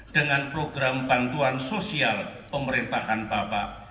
dengan program bantuan sosial pemerintahan bapak